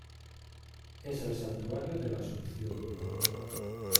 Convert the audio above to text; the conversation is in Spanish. Es el santuario de La Asunción.